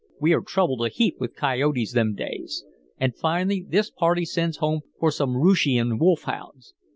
"We're troubled a heap with coyotes them days, and finally this party sends home for some Rooshian wolf hounds.